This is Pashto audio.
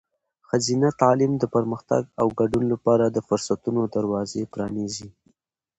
ښځینه تعلیم د پرمختګ او ګډون لپاره د فرصتونو دروازې پرانیزي.